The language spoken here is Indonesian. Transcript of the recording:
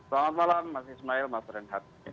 selamat malam mas ismail mas renhat